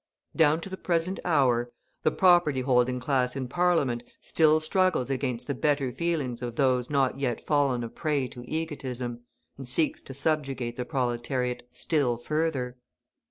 Down to the present hour, the property holding class in Parliament still struggles against the better feelings of those not yet fallen a prey to egotism, and seeks to subjugate the proletariat still further.